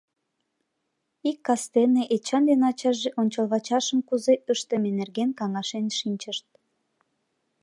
Ик кастене Эчан ден ачаже ончылвачашым кузе ыштыме нерген каҥашен шинчышт.